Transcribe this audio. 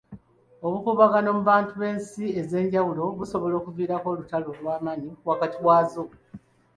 Obukuubagano mu bantu b'ensi ez'enjawulo bussobola okuviirako olutalo olw'amaanyi wakati waazo.